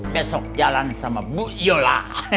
besok jalan sama bu yola